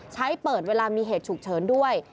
เปิดเวลามีเหตุฉุกเฉินด้วย